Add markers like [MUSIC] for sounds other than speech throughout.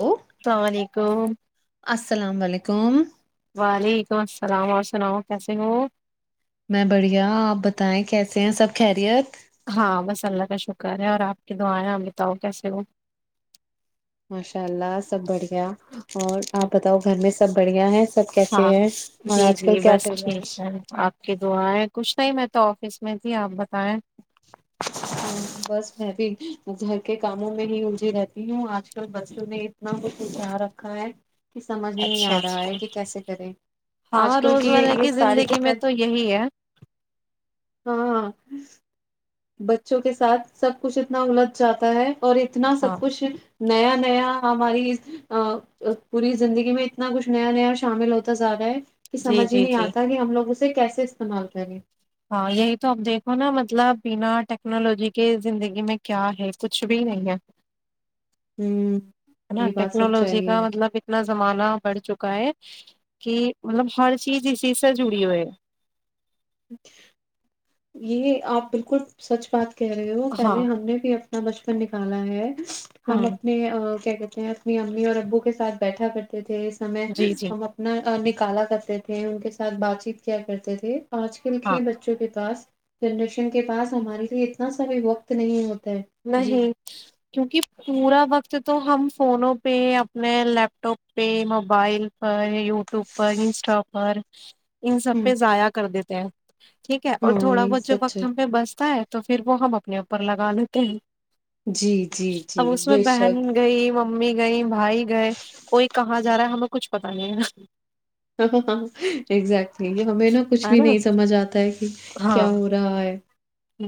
Hello اللام علیکم السلام علیکم وعلیکم السلام اور سناؤ کیسے ہو میں بڑھیا آپ بتائیں کیسے ہیں سب خیریت کریں اور آپ کے تو آیں بتاؤ کیسے ہو ماشاء اللہ سب بڑھیا اور آپ بتاؤ گھر میں سب بڑھیا ہے سب کیسے ہاں ہیں اور جی آج کل جی کیا بس چل رہا ٹھیک ہے آپ کی دعائیں کچھ نہیں میں تو آفس میں تھی آپ ب ہ بس میں بھی گھر کے کاموں میں ہی الجی رہتی ہوں آج کل بچوں نے اتنا کچھ اار رکھا ہے کہ سمجھ بھی نہیں اچھا آ رہا ہے اچھا کہ کیسے کریں آج ہاں کل کی روزمرہ یہ ساری زندگی میں کتاب تو یہی ہے ہاں بچوں کے ساتھ سب کچھ اتنا الجھ جاتا ہے اور اتنا سب ہاں کچھ نیا نیا ہماری اس پوری زندگی میں اتنا کچھ نیا نیا شامل ہوتا جا رہا ہے کہ جی سمج ہی جی نہیں جی آتا کہ ہم لوگ اس اسے کیسے استعمال کریں ہاں یہی تو اپ دیکھو نا مطلب بنا ٹیکنالوجی کے زندگی میں کیا ہے کچھ بھی نہیں ہے ہ ہے نا یہ بات سچ ٹیکنالوجی چاہیے ہے کا مطلب اتنا زمانہ بڑھ چکا ہے کہ مطلب ہر چیز اسیز سے جڑی ہوئے یہ آپ بالکل سچ بات کہہ رہے ہو ہاں پہلے ہم نے بھی اپنا بچپن نکالا ہے ہم ہوں اپنے کیا کہتے ہیں اپنی امی اور ابو کے سھ بیٹھا کرتے تھے سمے جی جی ہم اپنا کالا کرتے تھے ان کے ساتھ بات چیت کیا کرتے تھے آج کل ہاں کے بچوں کے پاس جڈرشن کے پاس ہمارے لیے اتنا سا بھی وقت نہیں ہوتا ہے جی نہیں کیونکہ پورا وقت تو ہم فونوں پہ اپنے لیپ ٹاپ پہ موبائل پر یوٹیوب پر انسٹا پر ان سب ہ پہ ضائع کر دیتے کیا ٹھیک ہے اور ہاں تھوڑا یہ بہت جو سچ وقت ہے ہم پہ بستا ہے تو پھر وہ ہم اپنے اوپر لگا لیتے تین [UNINTELLIGIBLE] جی جی جی بے شک بہن گئی ممی گئی بھائی گئے کوئی کہاں جا رہا ہے ہمیں کچھ پتا نہیں ہے نا ہاں ہاں اگزیکٹلی ہمیں نا کچھ ہے ہے بھی نہیں سمجھ آتا ہے کیا ہو رہا ہے ہ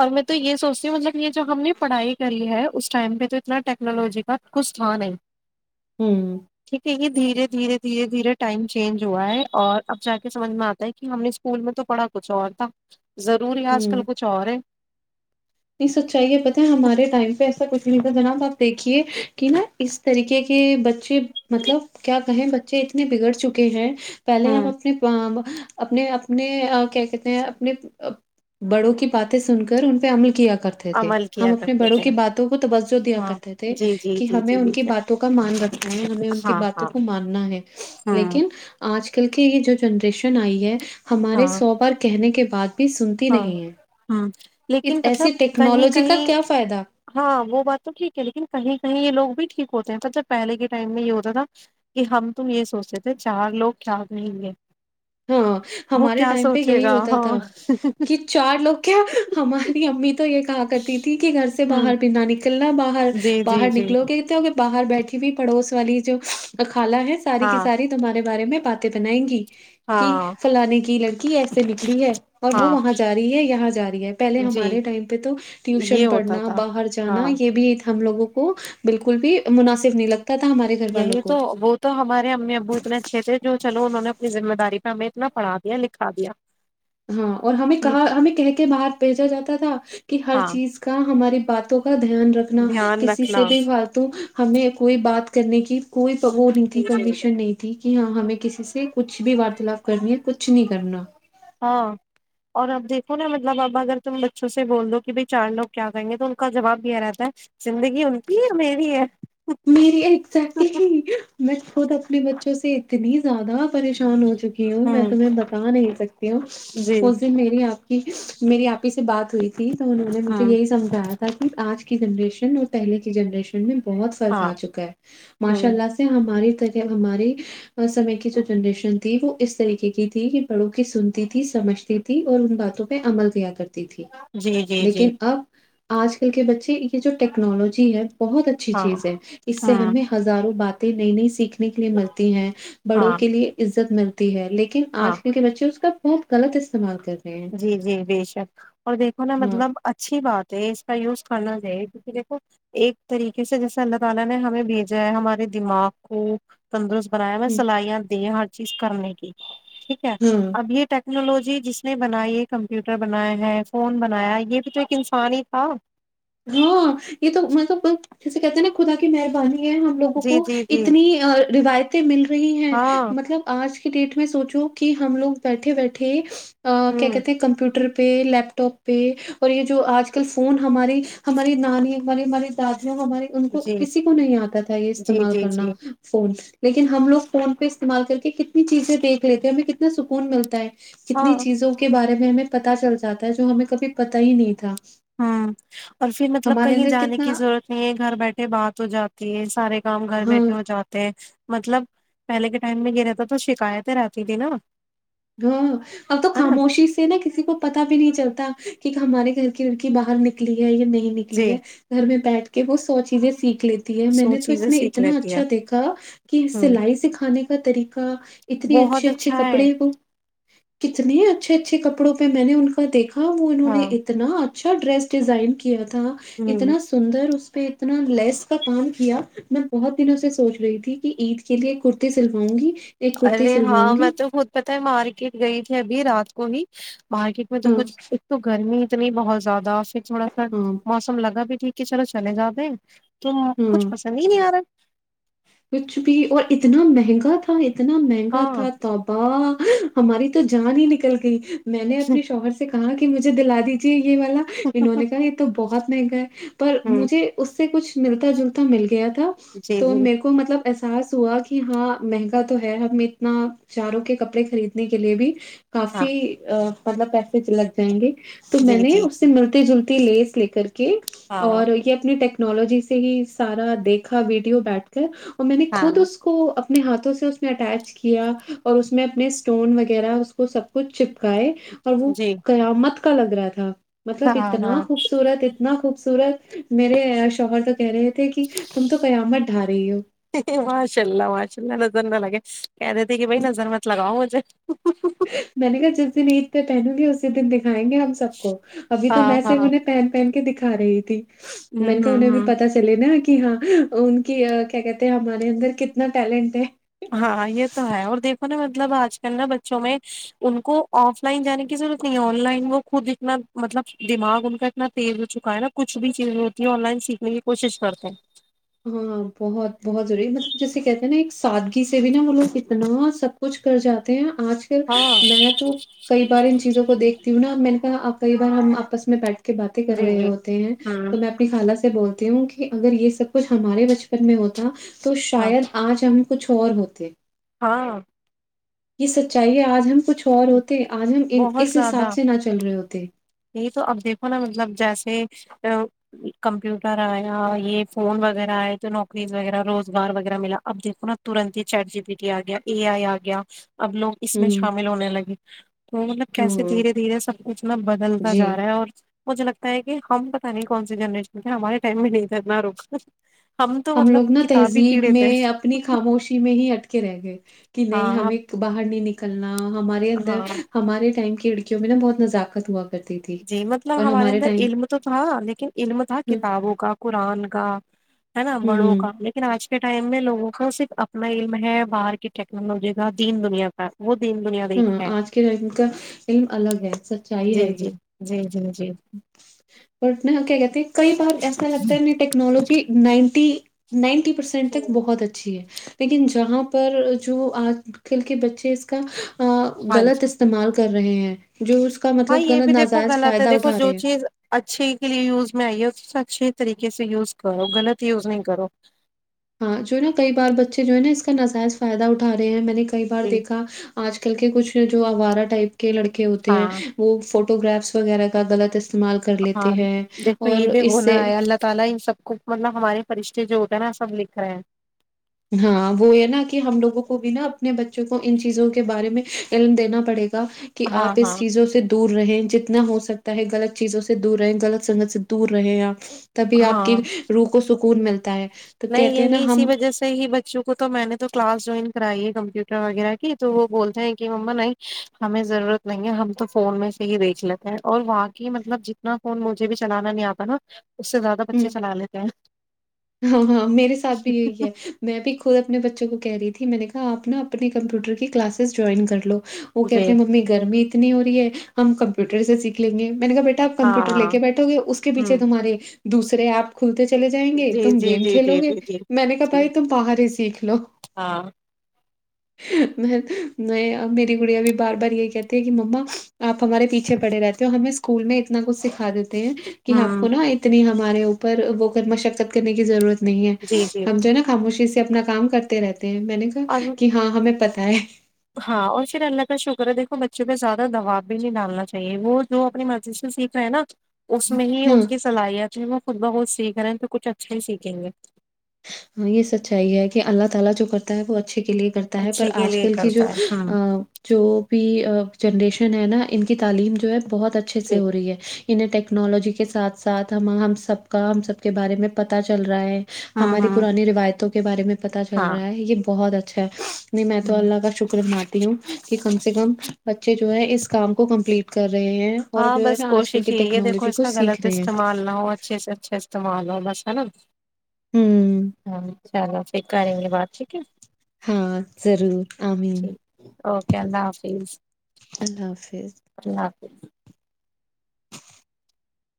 اور میں تو یہ سوچتی ہوں مطلب یہ جو ہم نے پڑھائی کری ہے اس ٹائم پہ تو اتنا ٹیکنالوجی کا کچھ تھا نہیں ہوں [UNINTELLIGIBLE] ٹھیک ہے یہ دھیرے دھیرے دھیرے دھیرے ٹائم چینج ہوا ہے اور اب جا کے سمجھ میں آتا ہے کہ ہم نے اسکول میں تو پڑھا کچھ اور تھا ضرور آ کل کچ اور ہے نہیں سچائیے پتہ ہے ہمارے ٹائم پہ ایسا کچھ نہیں تھا جناب آپ دیکھیے کہ نا اس طریقے کے بچے مطلب کیا کہیں بچے اتنے بگڑ چکے ہیں پہلے آپ ہوں اپنی اپنے اپنے کیا کہتے ہیں اپنے بڑوں کی باتیں سن کر ان پہ عمل کیا کرتے تھے عمل ہم کیا اپنے کرتے بڑوں تھے کی باتوں کو توجہ دیا ہاں کرتے تھے جی جی کہ جی ہمیں جی ان بے کی شک باتوں کا مان رکھنا ہے ہمیں ان کی ہاں باتوں ہاں کو ماننا ہے ہاں لیکن آج ک کیونکہ یہ جو جنریشن آئی ہے ہمارے ہاں سو بار کہنے کے پانچ [UNINTELLIGIBLE] سنتی ہاں نہیں ہے ہوں لیکن اس مطلب ایسی کہیں ٹیکنالوجی کا کہیں کیا فائدہ ہاں وہ بات تو ٹھیک ہے لیکن کہیں کہیں یہ لوگ بھی ٹھیک ہوتے ہیں تو جب پہلے کے ٹائم میں یہ ہوتا تھا کہ ہم تم یہ سوچتے تھے چار لوگ کیا کہیں گے ہاں وہ ہمارے کیا ٹائم پہ سوچے یہی گا ہوتا ہاں تھا کہ چار لوگ کیا ہماری امی تو یہ کہ کرتی تھی کہ گھر سے ہ باہر بھی نہ نکلنے باہر جی جی باہر جی نکلو گت ہو کہ باہر بیٹھی ہو پڑوس والی جو کالا ہے ہاں ساری ساری تمہارے بارے میں باتیں بنائیں گی کی ہاں فھیلانے کی لڑتی کی ایسے بکری ہے اور وہ ہاں وہاں جا رہی ہے یہاں جا رہی ہے پہلے جی ہمارے ٹائم پہ تو یہ ٹیوشن ہوتا پڑھنا تھا باہر جانا ہاں یہ بھی ہم لوگوں کو بالکل بھی مناسب نہیں لگتا تھا ہمارے گھر والوں یہی کو تو وہ تو ہمارے امی ابو اتنے اچھے تھے جو چلو انہوں نے اپنی ذمہ داری پ ہمیں اتنا پڑھا دیا لکھا دیا ہاں اور ہمیں کہاں ہمیں کہ کے باہر بھیجا جاتا تھا کہ ہر ہاں چیز کا ہماری باتوں کا دھیان رکھنا دھیان کسی سے رکھنا بھی فالتو ہمیں کوئی بات کرنے کی کوئی تو وہ نہیں جی تھی جی جی پرمیشن نہیں تھی کہ ہاں ہمیں کسی سے کچھ بھی وارتالاپ کرنی ہے کچھ نہیں کرنا ہاں اور اب دیکھو نا مطلب اب اگر تم بچوں سے بول دو کہ بھائی چار لوگ کیا کہیں گے تو ان کا جواب یہ رہتا ہے زندگی ان کی میری ہے میری ایگزیکٹلی میں خود اپنی بچوں سے اتنی زیادہ پریشان ہوتی چکی ہوں میں ہ تمہیں بتا نہیں سکتی ہوں جی اس دن میری آپ کہ میری آپ ہی سے بات ہوئی تھی تو انہوں نے ہ مجھے یہی سمھایا تھا تاک آج کی جنریشن اور پہل کی جنریشن میں بہت ہاں کھا چکا ہے ماشاء ہ اللہ سے ہماری تو ہماراری سمے کی جو جنریشن تھی وہ اس طریقے کی تھی کہ پڑوں کی سنتی تھی سمجھتی تھی اور ان باتوں پہ عمل کیا کرتی تھی جی جی جی لیکن اب آج کل کے بچے یہ جو ٹیکنالوجی ہے بہت اچھی ہاں چیز ہے اس ہ سے ہمیں ہزاروں باتیں نہیں نہیں سیکھ کے لیے ملتی ہیں بڑوں ہاں کے لیے اس ملتی ہے لیکن ن ہاں آج کل کے بچے اس کا بہت غلط استعمال کر رہے ہیں جی جی بےشک اور دیکھو نا ہاں مطلب اچھی بات ہے اس کا یوز کرنا ایک تاریک سے جیسا لگانا ہے ہمین بھیجا ہے ہمارے دمگ کو تندرست بنایا میں ہ سلائیا د ہ کوشش کرنے کی ٹھیک ہے ہاں ابھی ت ٹنالوجی ج نے بنائی ہے کمپیوٹر بنایا ہے فون بنایا یہ تو جو ایک انسان ہی تھا ہاں یہ تو مطلب جسے کہتے ہیں نا خدا کی مہربانی ہم لگوں جی کو جی جی اتنی روایتی م رہی ہیں ہاں مطلب آج کی ڈیٹ میں سوچو کہ ہم لوگ بیٹھے بیٹھے کیا ہوں کہتے ہیں کمپیوٹر پہ لیپ ٹاپ پہ اور یہ جو آج کل فون ہماری ہماری نانی ہماری ہماری دادی جو ہمارے ان کو جی کسی کو نہیں آتا تھا یہ جی استعمال جی کرنا جی فون لیکن ہم لوگ فون پہ استعمال کر کے کتنی چیزیں دیکھ لیتے ہیں ہمیں کتنا سکون ملتا ہے کتنی ہاں چیزوں کے بارے میں ہمیں پتا چل جاتا ہے جو ہمیں کبھی پتتا ہی نہیں تھا ہاں [INAUDIBLE] اور پھر مطلب ہمارے کہیں اندر جانے کتنا کی ضرورت نہیں ہے گھر بیٹھے بات ہو جاتی ہے س کام گھر ہاں بیٹھے ہو جاتے ہیں مطلب پہلے کے ٹائم میں یہ رہتا تو شکایتیں رہتی تھی نا ہاں اب تو ہے نا خاموشی سے نا کسی کو پتا بھی نہیں چلتا کہ ہمارے گھر کی لڑکی باہر نکلی ہے یا نہیں نکلی جی ہے گھر میں بیٹھ کر کہ وہ سو چیزیں سیکھ لیتی ہے میں سو نے تو اس چیزیں میں سیکھ اتنا لیتی ہے اچھا دیکھا کہ ہوں سلائی سکھانے کے کتریک کا اتنے بہت اچھے اچھے اچھا ہے کپڑے وہ کتنے اچھے اچھے کپڑوں پہ میں نے ان کا دیکھا ہاں وہ انہوں نے ہاں اتنا چا ڈریس ڈیزائن کی تھا ہوں اتنا سندر اس پہ اتنا لیس کا کام کیا میں بہت دنوں سے سوچ رہی تھی کہ عید کے لیے کتی سلواؤں گی ایک کرتی ارے ہاں سلواؤں گی مط توب خود پتا ہے مارکیٹ گئی تھی ابھی رات کو ہی مارکیٹ میں تو ہاں کچھ ایک تو گرمی اتنی بہت زیادہ سے تھوڑا سھر ہاں موسم لگا بھی ٹھیک ہے چلو چل جاؤاب [UNINTELLIGIBLE] تو کچھ پسند ہی نہیں آ رہا [UNINTELLIGIBLE] کچھ بھی اور اتنا مہنگا تھا ا اتنا مہنگا ہاں تھا تابا [UNINTELLIGIBLE] ہماری تو جان ہی نکل گئی [UNINTELLIGIBLE] میں نے اپنے شوہر سے [UNINTELLIGIBLE] کہاں کہ مجھے دلا دیجیے [UNINTELLIGIBLE] یہ والا انہوں نے کہا یہ تو بہت مہنگا ہے پر ہ مجھے اس سے [UNINTELLIGIBLE] سےچھ ملتا جلتا ملتا [UNINTELLIGIBLE] گیا تھا جی تو جی میر کو [UNINTELLIGIBLE] مطلب احساس ہوا کہ ہاں مہنگا تو ہے ہم اتنا چاروں کے کپڑے خریدنے کے لیے بھی [UNINTELLIGIBLE] ہاں کافی ا مطلب پیسے چ لگ جائیںے [UNINTELLIGIBLE] تو جی میں نے جی اس جی سے ملتے جلتے لیس لے کر کے [UNINTELLIGIBLE] ہاں اور یہ اپنے ٹیکس [UNINTELLIGIBLE] ٹیکنالوجی سے ہی سارا دیکھا ویڈیو بیٹھ کر [UNINTELLIGIBLE] کہ [UNINTELLIGIBLE] اور میں نے خود ہاں اس کو اپنے ہاتھوں سے اس میں اٹیچ کیا اور اس میں اپنے اسٹون وغیرہ اس کو سب کچھ چپ اور وہ جی مت کا لگ رہا تھا ہ [UNINTELLIGIBLE] مطلب ہاں اتنا ہاں خوبصورت اتنا خوب سورت میرے شوہر تو کہہ رہے تھے کہ تم تو قیامت ٹھ رہی ہو [UNINTELLIGIBLE] ماشاء اللہ ماشاء اللہ ا نہ لگے [UNINTELLIGIBLE] کہہ دیتےے کہ بھائی نظر مت لگاؤ گ [UNINTELLIGIBLE] ج [UNINTELLIGIBLE] منگا جس دن ا پ تینو بھی ا اس دیک [UNINTELLIGIBLE] کھائیں گے ہم سب کو اب تو ہاں میں ہاں صرف انہیں پہن پہن کے دکھا [UNINTELLIGIBLE] س رہے ت م ہوں نے کہ ہوں انہیں بھی ہوں پتا چلے نا کہ ہاں ان کی کیا کہتے ہیں ہمارے اندر کتنا ٹیلنٹ ہے ا مطلب آج کل نا بچوں میں ان کو آف لائن جانے کی ضرورت نہیں ہے آن لائن وہ خود اتنا مطلب دماغ ان کا اتنا تیز ہو چکا ہے نا کچھ بھی چیز ہوتی ہے آن لائن سیکھنے کی کوشش کرتے ہیں ہاں بہت بہت ضروری ہے مطلب جیسے کہتے ہیں نا ایک سادگی سے بھی نا وہ لوگ اتنا سب کچھ کر جاتے ہیں آج کل ہاں میں تو کئی بار ان چیزوں کو دیکھتی ہوں نا میں نے کہا کئی بار ہم آپس میں بیٹھ کے باتیں کر جی رہے جی ہوتے ہیں ہوں تو میں اپنی خالہ سے بول ہوں کہ اگر یہ سب کچھ ہمارے بچپن میں ہوتا تو ہاں شاید آج ہم کچھ اور ہوتے ہاں یہ سچ چاہیے آج ہم کچھ اور ہوتے آج ہم اس حساب سے نہ چل رہے ہوتے یہی تو اب دیکھو نا مطلب جیسے کمپیوٹر آیا یہ فون وغیرہ آئے تو نوکریز وغیرہ روزگار وغیرہ ملا اب دیکھو نا ترنت ہی چیٹ جی بیی ٹی آ گیا اے آئی آ گیا اب لوگ اس ہ میں شامل ہونے لگے وہ مطلب کیسے ہ دھیرے دھیرے سب کچھ ن بدل ج جی رہا ہے اور مجھے لگتا ہے کہ ہم پتا نہیں کون س جنریشن ہمارے ٹائم میں نہیں تھانا روکا ہم لوگ نا تہذیب تھے میں اپنی خاموشی میں ہی اٹکے رہ گئے کہ نہیں ہاں ہمیں باہر نہیں نکل کنا ہمارے اندر ہاں ہمارے ٹائم کی کیونکہ نا بت نزاکقت ہوا کرتی تھی جی مطلب اور ہمارے اندر ٹائم علم تو تھا لیکن علم تھا کتابوں کا قرآن کا ہے نا بڑوں ہوں کا لیکن آ آج کے ٹائم میں لوگوں کا صرف اپنا علم ہے باہر کی ٹیکنالوجی کا دین دنیا کا وہ دین دنیا دیکھ ہاں رہے ہیں آج کے ائم کا علم الگ ہے سچائی جی ہے یہ جی جی جی بٹ نہک گتی کئی بار جسا لگتا ہے ن ٹیکنالوجی نائنٹی نائنٹی پرسینٹ تک بہت اچھی ہے لیکن جہاں پر جو آج کل کے بچے اس کا ہاں غلط جی استعمال کر رہے ہیں جو اس کا ہاں مطلب یہ بھی غلط دیکھو نجائز غلط ہے فائدہ دیکھو اٹھا جو چیز اچھی کے لیے یوز میں اچھے طریقے سے یوز کرو غلط یوز نہیں کرو [UNINTELLIGIBLE] ہاں جو نا کئی بار بچے جو ہے نا اس کا نجائز فائدہ اٹھ رہے ہیں میں نے کئی بار جی دیکھا [UNINTELLIGIBLE] آج کل کے کچھ جو آوارہ ٹائپ [UNINTELLIGIBLE] کے لڑکے ہوتے ہیں ہاں وہ فوٹو [UNINTELLIGIBLE] فوٹو گافس وغیرہ کا گلات [UNINTELLIGIBLE] [UNINTELLIGIBLE] فشتے اس سے جو ہوتا ہے نا سب لکھ رہے ہیں [UNINTELLIGIBLE] ہاں وہ ہے نا کہ ہم لوگوں کو بھی نا اپنے بچوں کو ان چیزوں کے بارے میں علم دینا پڑے گا کہ آپ ہاں اس ہاں چیزوں سے دور رہےیں جتنا ہو سکتا [UNINTELLIGIBLE] ے غلط چیزوں سے دور رہے غط سنگت سے دور رہے پ [UNINTELLIGIBLE] تبھی آپ کی ہاں روح کو سکون ملتا ہے تو نہیں کہتے ہیں یہی نا اسی ہم وجہ سے ہی بچ شکر تو میں نے تو کلاس جوائن کرائی ہے کمپیوٹر وغیرہ کی تو وہ بولتے ہیں کہ مما نہیں ہمیں ضرورت نہیں ہے ہم تو فون میں سے ہی دیکھ لیتے ہیں اور وہاں کی مطلب جتنا فون مجھے بھی چلانا نہیں آتا نا [UNINTELLIGIBLE] اس سے زیادہ بچے ہوں چلا لیتے ہیں [UNINTELLIGIBLE] ہاں ہاں میرے ساتھ بھی یہی ہے میں بھی خود اپنے بچوں کو کہہ رہی تھی میں نے کہاپ نا اپنے کمپیوٹر کی کلاسز جوائن کر لو [UNINTELLIGIBLE] وہ جی کہتے ہیں ممی گرمی نہیں ہو رہی ہے ہم کمپیوٹر سے سیکھ لیں گے [UNINTELLIGIBLE] میں نے کہا بیٹاپ کمپیور لے ہاں کے بیٹھ گے اس پیچے ہوں تمہارے [UNINTELLIGIBLE] دوسر ایپ کھلتے [UNINTELLIGIBLE] چلے جائیں گے جی [UNINTELLIGIBLE] جی گیم جی کھیلو جی گے جی جی میں نے کہا جی بھائی تم باہر ہی سیکھ لو [UNINTELLIGIBLE] ہاں میں میری گڑیاں بھی بار بار یہ کہتی ہے کہ مما آپ ہمارے پیچھے پڑے رہتے ہو ہمیں اسکول میں اتنا کچھ سکھا دیتی ہیں کہ آپ کو ہوں نا اتنی [UNINTELLIGIBLE] ہمارے اوپر وہ مشقت کرنے کی ضرورت [UNINTELLIGIBLE] نہیں ہے جی جی ہم جی جو ہے نا خاموشی سے [UNINTELLIGIBLE] اپنا کام کرتے رہتے [UNINTELLIGIBLE] میں نے اور کہ [UNINTELLIGIBLE] ہمیں پتا ہے [UNINTELLIGIBLE] ہاں اور پھر اللہ کا شکر ہے دیکو بچوں پہ زیادہ دباؤ بھی نہیں ڈالنا چاہیے وہ جو اپنی مرضی سے سیکھ رہا ہے نا اس میں ہی ان ہاں کی صلاحیت ہے وہ خود بہت سیکھ رہے ہیں تو کچھ اچھا ہی سیکھیں گے [UNINTELLIGIBLE] ہاں یہ سچائی ہے کہ اللہ تعالی جو کرتا ہے وہ اچھا اچھے کے لیے کرتا ہے پر اچھے کے آج لیے کل کی جو کرتا ہے ہاں جو بھی جنریشن ہے نا ان کی تعلیم جو ہے بہت اچھے سے ٹھیک، ہو رہی ہے انہیں ٹیکنالوجی کے ساتھ ساتھ ہم ہم سب کا ہم سب کے بارے میں پتتا چل رہا ہے ہاں ہاں وایتوں کے بارے میں پتا چل رہا ہے یہ بہت اچھا اچھا میں تو ہ اللہ کا شکرم ہوں کہ کم سے کم بچے جو ہے اس کام کو کمپلیٹ کر رہے ہیں اور ہاں جو ہے بس نا آج کل کوشش کی ہی یہ دیکھو ٹیکنالوجی اس کو کا سیکھ غلط رہے ہیں۔ استعمال نہ ہو اچھے سے اچھے استعمال ہو بس ہے نا ہوں، ہشاء اللہ پھر کریں گے بات ٹھیک ہے ہاں، ضرور، آمین، ٹھیک اوکے اللہ حافظ اللہ حافظ۔ اللہ حاظ